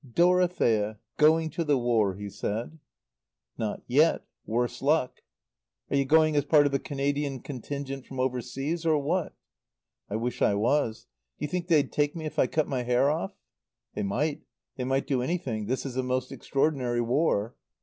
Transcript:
"Dorothea. Going to the War," he said. "Not yet worse luck." "Are you going as part of the Canadian contingent from overseas, or what?" "I wish I was. Do you think they'd take me if I cut my hair off?" "They might. They might do anything. This is a most extraordinary war."